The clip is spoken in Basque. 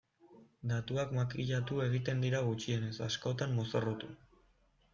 Datuak makillatu egiten dira gutxienez, askotan mozorrotu.